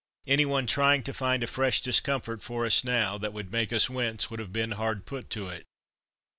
Anyone trying to find a fresh discomfort for us now, that would make us wince, would have been hard put to it.